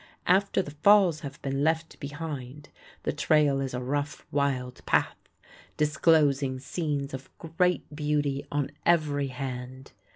After the falls have been left behind the trail is a rough, wild path, disclosing scenes of great beauty on every hand.